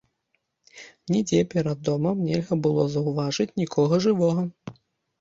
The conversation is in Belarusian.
Нідзе перад домам нельга было заўважыць нікога жывога.